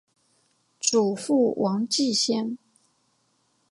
祖父王继先。